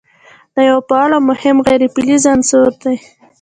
دا یو فعال او مهم غیر فلز عنصر دی.